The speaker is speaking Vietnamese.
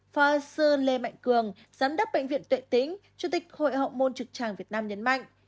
phó sư lê mạnh cường giám đốc bệnh viện tuệ tĩnh chủ tịch hội học môn trực tràng việt nam nhấn mạnh